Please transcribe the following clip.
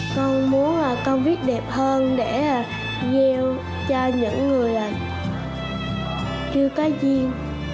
con muốn con viết đẹp hơn để gieo cho những người là chưa có duyên